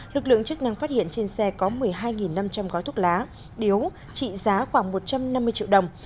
lực lượng chức năng phát hiện trên xe có một mươi hai năm trăm linh gói thuốc lá điếu trị giá khoảng một trăm năm mươi triệu đồng